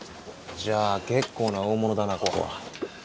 じゃあ結構な大物だなここは。